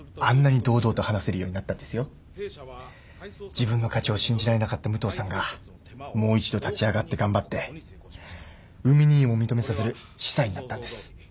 自分の価値を信じられなかった武藤さんがもう一度立ち上がって頑張って海兄をも認めさせる資産になったんです。